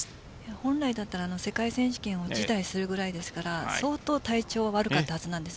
本来だと世界選手権を辞退するぐらいですから相当、体調は悪かったはずなんです。